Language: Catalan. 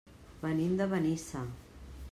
Venim de Benissa.